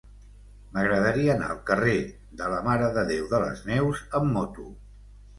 M'agradaria anar al carrer de la Mare de Déu de les Neus amb moto.